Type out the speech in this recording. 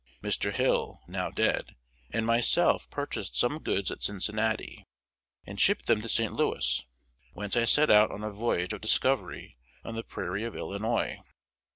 Mr. Hill (now dead) and myself purchased some goods at Cincinnati, and shipped them to St. Louis, whence I set out on a voyage of discovery on the prairies of Illinois....